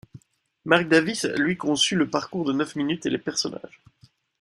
Marc Davis a lui conçu le parcours de neuf minutes et les personnages.